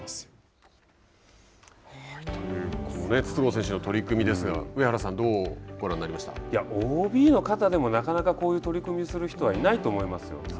筒香選手の取り組みですが上原さんはＯＢの方でもなかなかこういう取り組みする人はいないと思いますよ。